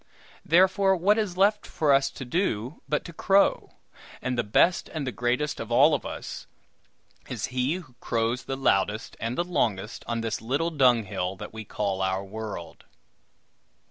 Therefore, what is left for us to do, but to crow? And the best and greatest of us all, is he who crows the loudest and the longest on this little dunghill that we call our world!